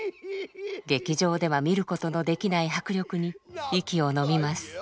劇場では見ることのできない迫力に息をのみます。